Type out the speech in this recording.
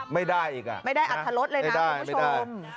ไม่ได้อีกอ่ะไม่ได้อัดฐะลดเลยแล้วครับคุณผู้ชม